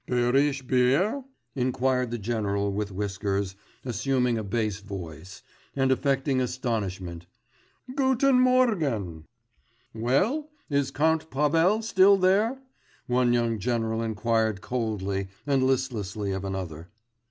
'Baierisch Bier?' inquired the general with whiskers, assuming a bass voice, and affecting astonishment 'Guten Morgen.' 'Well? Is Count Pavel still there?' one young general inquired coldly and listlessly of another.